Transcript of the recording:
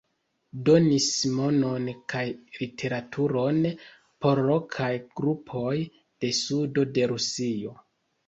Donis monon kaj literaturon por lokaj grupoj de sudo de Rusio.